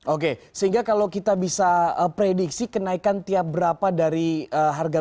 oke sehingga kalau kita bisa prediksi kenaikan tiap berapa dari harga